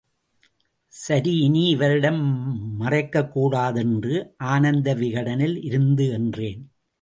சரிஇனி இவரிடம் மறைக்கக்கூடாதென்று, ஆனந்த விகடனில் இருந்து என்றேன்.